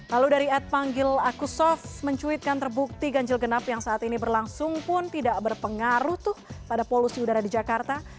lalu dari ad panggil akusof mencuitkan terbukti ganjil genap yang saat ini berlangsung pun tidak berpengaruh tuh pada polusi udara di jakarta